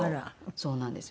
そうなんですよ。